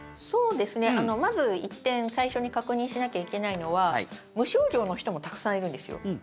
まず１点最初に確認しなきゃいけないのは無症状の人もたくさんいるんですよ。